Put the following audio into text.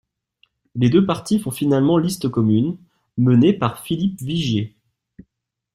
Les deux partis font finalement liste commune, menée par Philippe Vigier.